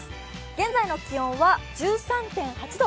現在の気温は１３．８度。